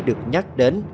được nhắc đến